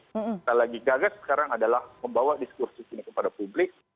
kita lagi gagas sekarang adalah membawa diskursus ini kepada publik